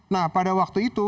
nah pada waktu itu